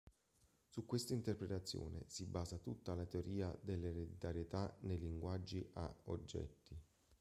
Su questa interpretazione si basa tutta la teoria dell'ereditarietà nei linguaggi a oggetti.